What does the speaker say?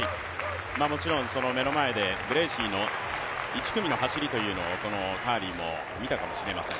もちろん、目の前でブレーシーの１組の走りというのをこのカーリーも見たかもしれません。